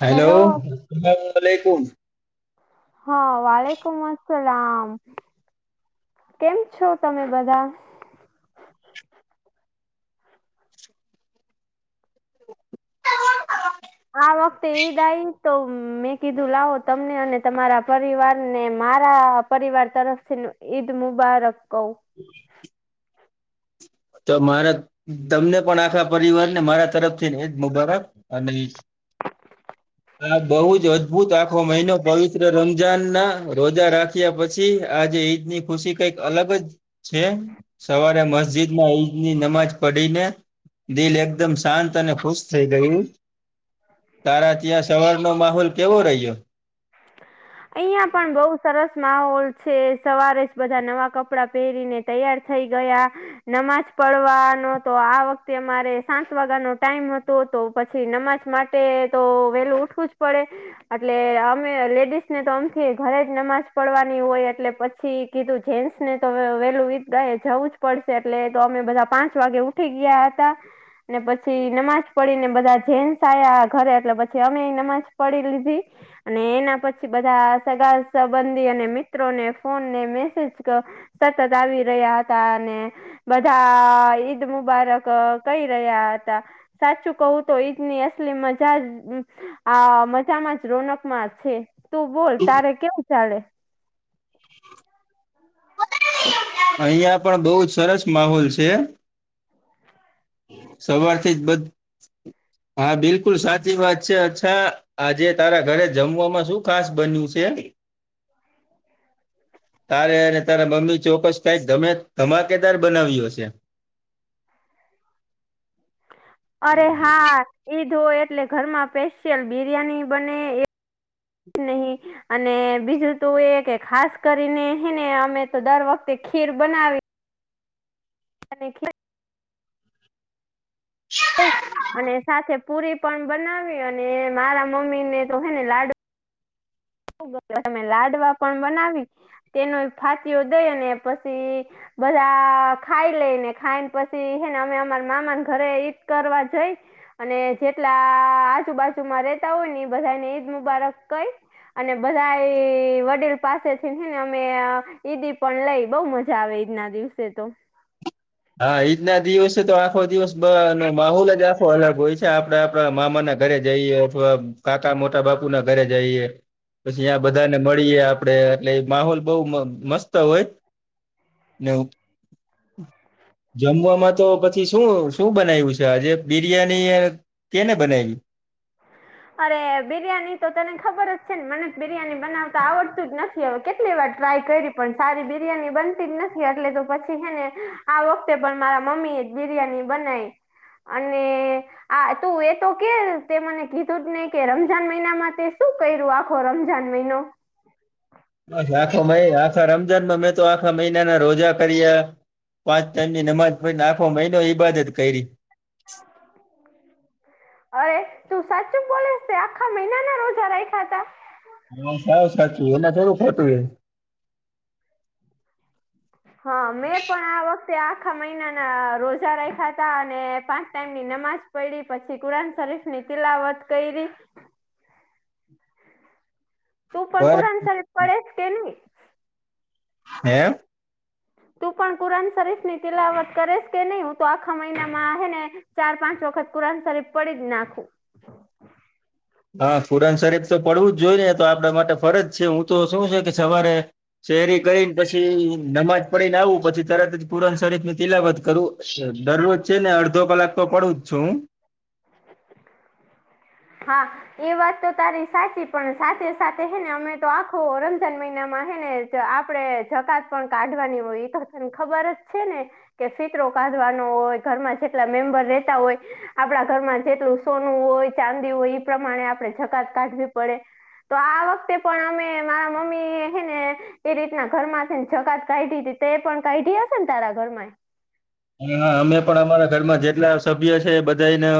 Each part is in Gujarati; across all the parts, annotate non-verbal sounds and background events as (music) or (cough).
હેલો સસલેકુમ (unintelligible) હા વાલેકુમ અસલામ કેમ છો તમે બધા હા વક્તેઈદા આઈ તો મેં કીધું લાવો તમને અને તમારા પરિવારને મારા પરિવાર તરફથી ઈદ મુબારક કઇ હમ તો મારા તમને પણ આખા પરિવારને મારા તરફથી ને ઈદ મુબારક અને ન આ બહુ જ અદભુત આખો મહિનો પવિત્ર રમજાનના રોજા રાખ પછી આજે ઈદ ની ખુશી કઈક અલગ જ છે સવારે મસ્જિદ ની નમાજ પડીને દિલ એકદમ શાંત અને ખુશ થઈ ગયું તારા ત્યાં સવાર નો માહોલ કેવો રહ્યો અહિયાં પણ બઉુ સરસ માહોલ છે સવારે જ બધા નવા કપડાં પહેરીને તૈયાર થઈ ગયા નમાજ પડવાનો તો આ વખતે અમારે સાત વાગ્યાનો ટાઈમ હતો તો પછી નમાજ માટે તો વેલું ઉઠવું જ પડે એટલે અમે લેડીસને તો આમથી ઘરે જ નમાજ પડવાની હોય એટલે પછી કીધું જેન્ટસને તો વેલું વીત ગ જવુંજ પડશે એટલે તો, અમે બધા પાંચ વાગે ઉઠી ગયા હતા ને, પછી નમાજ પડીને બધા જેન્સ આયા ઘરે એટલે પછી અમે નમાજ પડી લીધી અને એના પછી, બધા સગા સંબંધી અને મિત્રોને ફોનને મેસેજ સતત આવી રહ્યા હતા અને બધા ઈદ મુબારક કઈ રહ્યા હતા સાચું કવું તો ઈદની અસલી મજા આ મજામાં જ રોનક માં છે, તું બોલ તારે કેવું ચાલે અહિયાં પણ, બઉજ સરસ માહોલ છે. સવારથી જ બધ હા બિલકુલ સાચી વાત છે, અચ્છા આજે, તારા ઘરે જમવામાં શું ખાસ બન્યું છે. હ તારે અને, તારા મમ્મી ચોક્કસ કઈમે ધમાકેદાર બનાવ્યો હશે અરે, હા ઈદ હોય એટલે ઘરમાં સ્પેશિયલ બિરિયાની બને નહી અને, બીજું તું એ કે ખાસ કરીનેને અમે તો દર વખતે ખીર બનાવી અને હ અને સાથે પુરી પણ બનાવી, અને મારા મમ્મીને તો હેને લાડુ તમે લાડવા પણ, બનાવી તેનો ફાસીયો દઈને પછી બધા ખાઈ લઈ ને ખાઈ ને પછી, હે ને અમે અમાર મામાને ઘરે ઈદ કરવા જઈ અને જેટલા આજુબાજુ માં રેતા હોય, ને એ બધાને ઈદ મુબારક કઈ અને, બધા વડીલ પાસેથી થી ને અમે ઈદી પણ લઈ બહુ મજા આવે ઈદના દિવસે તો હા, ઈદ ના દિવસે તો આખો દિવસ માહોલ જ આખો અલગ હોય છે, આપડા આપડા મામા ના ઘરે જઈએ અથવા કાકા મોટા બાપુ ના ઘરે જઈએ પછી અયાં બધાને મળીએ આપડે એટલે, માહોલ બહ મસ્ત હોય. નવ જમવાવામાં તો પછી શું, શું બનાવ્યું છે, આજે બિરિયાની કેને બનાવી (inaudible) અરે, બિરયાની તો તને ખબર જ છે ને મને બિરિયાની બનાવતા આવડતું જ નથી કેટલી વાર ટ્રાય કરી પણ, સારી બિરિયાની બનતી જ નથી એટલે તો પછી હેને આ વખતે પણ મારા મમ્મી, એ જ બિરિયાની બનાવી અને આ તું, એ તો કે તે મને કીધું જ નહી કે રમજાન મહિનામાં તે શું કર્યું આખો રમજાન મહિનો બ આખો આખા રમજાનમાં મેં, તો આખા મહિનાના રોજા કર્યા પાંચ ટણ ની નમાજ પને, આખો મહિનો ઈબાદત કરી હ અરે તું સાચું બોલેસ આખા મહિના ના રોજા રાખા ત હા સાવું સાચું એના થવું ખતું એ હા, મેં પણ આ વખતે આખા મહિનાના રોજા રખા ત અને પાંચ ટાઈમની નમાજ પડી પછી, કુરાન શરીફ ની તિલાવત કરી તું, પણ કુરાણ સાબ પડેસ કે નહી હે. તું પણ, કુરાન શરીફ ની તિલાવટ કરેશ કે નહી હું તો આખા મહિનામાં હ ને ચાર, પાંચ વખત કુરાન શરીફ પડી જ નાખું હા, કુરન શરીફ તો પડવું જ જોઈ ને તો આપણા માટે ફરજ છે, હું તો શું છે કે સવારે શેરી કરીને પછી, નમાજ પડી ને આવું પછી, તરત જ પુરાણ શરીફની તિલાવત કરવું દરરોજ છે, ને અડધો કલાક તો પડું જ છું, હું હા. એ વાત તો, તારી સાચી પણ સાથે સાથે હેને અમે તો આખો રમજાન આપડે જકાત પણ કાઢવાની હોયને ખબર જ છે, ને. કે ફિકરો કાઢવાનો હોય ઘરમાં જેટલા મેમ્બર રહેતા હોય આપણા ઘરમાં જેટલું સોનું હોય ચાંદી હોય એ પ્રમાણે આપણે જકાત કાઢવી પડે તો આ વખતે પણ અમે મારા મમ્મી હ ને એ રીતના ઘરમાં છે ને જગત કાઢી હતી એ પણ કાઢી હશે ને તારા ઘરમાં હા અમે પણ અમારા ઘરમાં જેટલા સભ્ય છે બધાને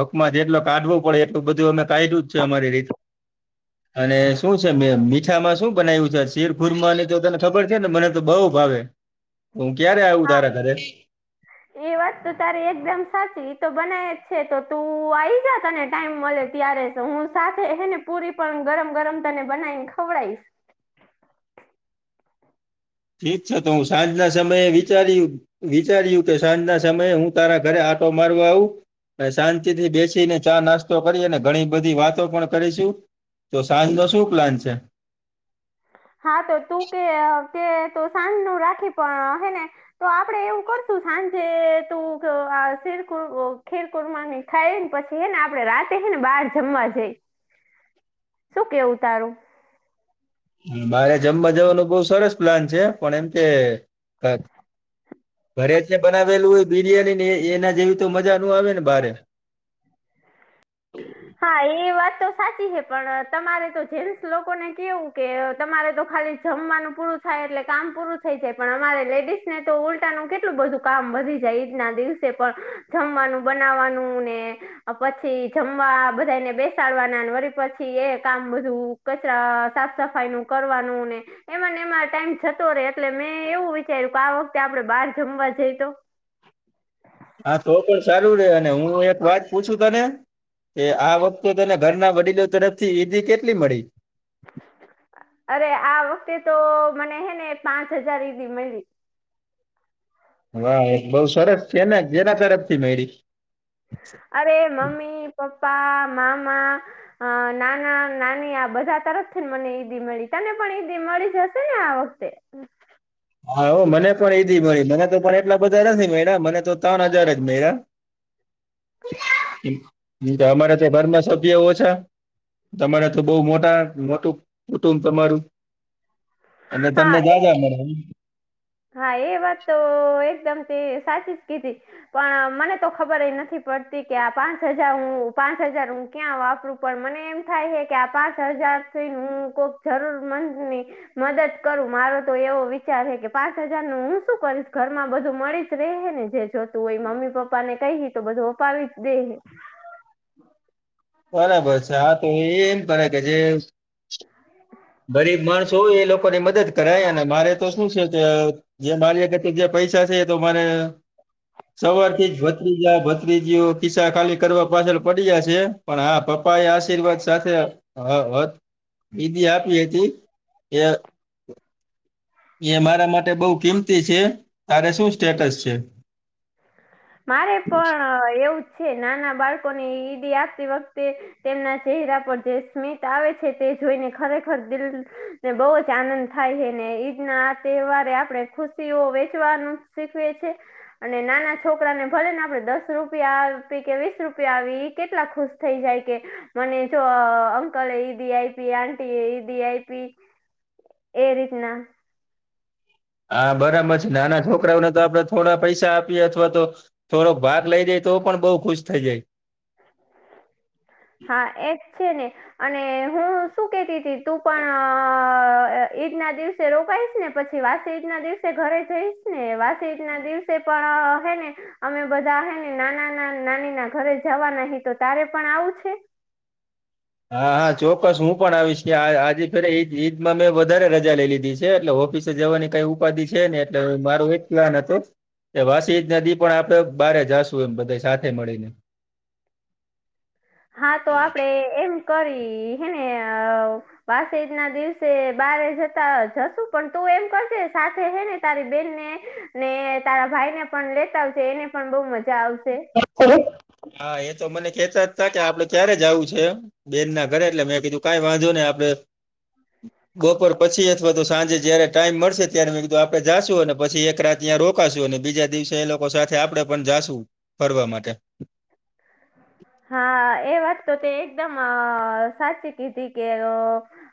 હકમાં જેટલો કાઢવો પડે એટલું બધું અમે કાઢયુ જ છે અમારી રીતે (inaudible) અને શું છે મે મીઠામાં શું બનાવ્યું છે શીરપુરી માંની તો તને ખબર છે ને મને તો બઉુ ભાવે હું ક્યારે આવું તારે ઘરે હ એ વાત તો તારી એકદમ સાચી એ તો બનાય જ છે તો તું આવી જા તને ટાઈમ મળે ત્યારે તો હું સાથે ત ને પુરી પણ ગરમ ગરમ તને બનાવીને ખવડાવીશ ઠીક છે તો હું સાંજે આવીશ સમયે વિચાર્યું વિચાર્યું કે સાંજના સમયે હું તારા ઘરે આટો મારવા આવું શાંતિ થી બેસીને ચા નાસ્તો કરીને ઘણી બધી વાતો પણ કરીશું તો સાંજ નો શું પ્લાન છે હા તો તું કે કે ત સાંજ નું રાખી પણ હે ને તો આપડે એવું કરશું સાંજે તું શેરકુર ખેરકુરમાંની થાયને પછી હે ને આપડે રાતે બહાર જમવા જઈ શું કેવું તારું મારે જમવા જવાનું બહુ સરસ પ્લાન છે પણ એમ કે ઘરે જ બનાવેલું હોય બિરિયાની ને એના જેવી તો મજા ન આવે ને બારે હા (unintelligible) હા એ વાત તો સાચી છે પણ તમારે તો જેન્ટસ લોકોને કેવું કે તમારે તો ખાલી જમવાનું પૂરું થાય એટલે કામ પૂરું થઈ જાય પણ અમારે લેડીઝ ને તો ઉલટાનું કેટલું બધું કામ વધી જાય ઈજના દિવસે પણ જમવાનું બનાવવાનું ને પછી જમવા બધાને બેસાડવાના પછી એ કામ બધું કચરા સાફ સફાઈ નું કરવાનું ને એમાંને એમાં ટાઈમ જતો રહેે એટલે મેં એવું વિચાર્યું કે આ વખતે આપડે બહાર જમવા જઈ તો હા તો પણ સારું છે અને હું એક વાત પૂછું તને એ આ વખતે તને ઘરના વડીલો તરફથી ઈધ કેટલી મળી અરે આ વખતે તો મને હે ને પાંચ હજાર એી મળી વાહ એક બઉ સરસ છેને જેના તરફથી મેળ અરે મમ્મી પપ્પા મામા અ નાના નાની આ બધા તરફથી મને ઈદ મળી તને પણ ઈદ મળી જશે ને આવે હ (unintelligible) હા મને પણ ઈદ મળી મને તો પણ એટલા બધા નથી મળ્યા મને તો ત્રણ હજાર જ મળ્યા (inaudible) અમારા ત્યા ઘરમાં સભ્ય ઓ છે તમારે તો બઉ મોટા મોટું કુટુંબ તમારું અને તમને હા એ જા જવા મળે હા એ વાત તો એકદમ તે સાચી જ કીધી પણ મને તો ખબર એ નથી પડતી કે આ પાંચ હજાર હું પાંચ હજાર હું ક્યાં વાપરું પણ મને એમ થાય છે કે આ પાંચ હજાર સુ હું કોક જરૂર મંદ ને મદદ કરું મારો તો એવો વિચાર છે કે પાંચ હજાર નું હું શું કરીશ ઘરમાં બધું મળી જ રહે ને જે જોતું હોય મમ્મી પપ્પા ને કહી તો બધું વપાવી જ દે બરાબર છે હા તો એ એમ કરે કે જે (inaudible) ગરીબ માણસો હોય એ લોકોની મદદ કરાય અને મારે તો શું છે કે જે મારી અગત જે પૈસા છે એ તો મને સવારથી જ ભત્રીજા ભત્રીજીઓ કિસ્સા ખાલી કરવા પાછળ પડી જ છે પણ હા પપ્પા એ આશીર્વાદ સાથે હ બી આપ એથી એ એ મારા માટે બઉ કિંમતી છે તારે શું સ્ટેટસ છે મારે પણ એવુંજ છે નાના બાળકો ને ઈડી આપતી વખતે તેમના ચહેરા પર જે સ્મિત આવે છે તે જોઈને ખરેખર દિલ ને બહુ જ આનંદ થાય છે ને ઈદ ના આ તહેવારે આપણે ખુશીઓ વેચવાનું શીખવે છે અને નાના છોકરાને ભલે ને આપણે દસ રૂપિયા આપી કે વીસ રૂપિયા આવી એ કેટલા ખુશ થઈ જાય કે મને જો અંકલે ઈદીી આપી આંટીી એ ઈદીી આપી એ રીતના હા બરાબર છે નાના છોકરાઓને તો આપડે થોડા પૈસા આપીએ અથવા તો થોડોક ભાગ લઇ જાય તો પણ બઉુ ખુશ થઇ જાય હા એજ છે ને અને હું શું કેતી હતીી તું પણ ઈદ ના દિવસ રોપઇશ ને પછી વાસજના દિવસે ઘરે જઈશ ને વાસીજના દિવસે પણ હે ને અમે બધા હ ને નાના ના નાની ના ઘરે જવા નહિ તો તારે પણ આવું છે હા હા ચોક્કસ હું પણ આવીશ આજે ફે ઈદમાં મેં વધારે રજા લઈ લીધી છે એટલે ઓફિસ જવાની કઈ ઉપાધિ છે ને એટલે મારું એક પ્લાન હતું એ વાસીજ નદી પણ આપડે બારે જાશું એમ બધા સાથે મળીને હા તો આપડે એમ કરી હેને પાસેજ ના દિવસે બારે જતા જશુ પણ તું એમ કરશે સાથે હે ને તારી બેન ને ને તારા ભાઈ ને પણ લેતા આવશે એને પણ બહ મજા આવશે હા એ તો મને કેતા જ ત કે આપડે ક્યારે જવું છે બેન ના ઘરે એટલે મેં કીધું કઈ વાંધો નને આપડે બપોર પછી અથવા તો સાંજે જયારે ટાઈમ મળશે ત્યારે મેં કીધું આપડેશું અને પછી એક રાત ત્યાં રોકાશું અને બીજા દિવસે એ લોકો સાથે આપડે પણ જાશું ફરવા માટે હા એ વાત તો તે એકદમ સાચી કીધી કે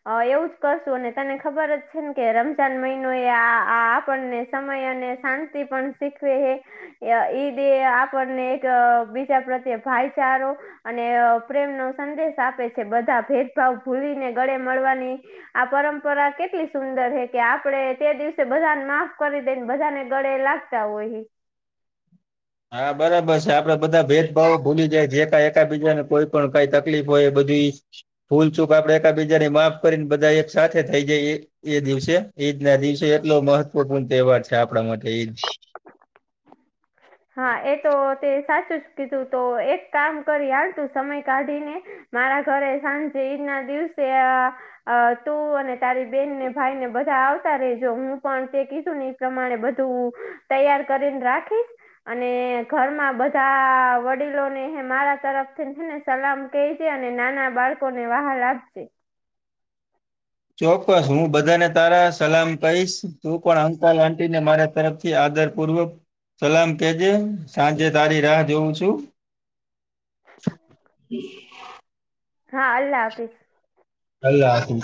હ એવું જ કરશું અને તને ખબર જ છે ને કે રમઝાન મહિનો એ આ આપણને સમય અને શાંતિ પણ શીખવે હ ઈદે આપણને એક બીજા પ્રત્યે ભાઈચારો અને પ્રેમનોો સંદેશ આપે છે બધા ભેદભાવ ભૂલીને ગળે મળવાની આ પરંપરા કેટલી સુંદર હ કે આપડે તે દિવસે બધાને માફ કરી દઈને બધાને ગળે લાગ તઓહી હા બરાબર છે આપડે બધા ભેદભાવો ભૂલી જાય જે ક એકબીજાને કોઈ પણ કઈ તકલીફ હોય એ બધી ફૂલચૂક આપડે એકબીજા ને માફ કરીને બધા એક સાથે થઈ જઈએ એ દિવસે ઈદ ના દિવસે એટલો મહત્વપૂર્ણ તહેવાર છે આપણા માટે ઈદ હા એ તો તે સાચું જ કીધું તો એક કામ કરી આડતું સમય કાઢીને મારા ઘરે સાંજે ઈદ ના દિવસે અ તું અને તારી બેનને ભાઈ ને બધા આવતા રેજો હું પણ તે કીધું નહી પ્રમાણે બધું તૈયાર કરીને રાખીશ અને ઘરમાં બધા વડીલોને મારા તરફ થીને સલામ ક છે અને નાના બાળકો ને વાહાર આપજે ચોક્કસ હું બધાને તારા સલામ કહીશ તું પણ અંકલ આટી ને મારે તરફથી આદર પૂર્વક સલામ કેજે સાંજે તારી રાહ જોઉું છું હ હા અલ્લાહ હાફિઝ અલ્લાહ હાફિ